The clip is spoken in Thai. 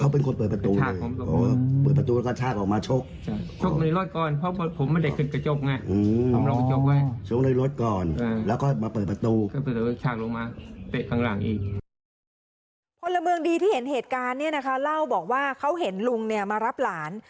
พลเมืองดีที่เห็นเหตุการณ์เนี่ยนะคะเล่าบอกว่าเขาเห็นลุงเนี่ยมารับหลาน